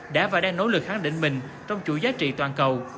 đã và đang nỗ lực kháng định mình trong chủ giá trị toàn cầu